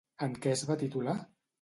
En què es va titular?